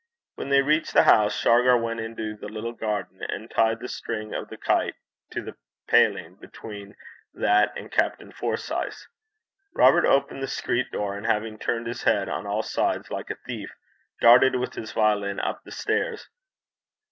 When they reached the house, Shargar went into the little garden and tied the string of the kite to the paling between that and Captain Forsyth's. Robert opened the street door, and having turned his head on all sides like a thief, darted with his violin up the stairs.